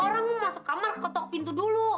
orang masuk kamar ketok pintu dulu